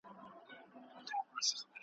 چي زه راځمه خزان به تېر وي ,